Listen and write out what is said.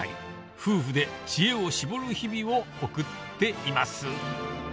夫婦で知恵を絞る日々を送っています。